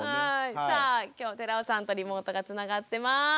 さあきょう寺尾さんとリモートがつながってます。